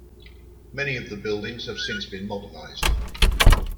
Many of the buildings have since been modernised.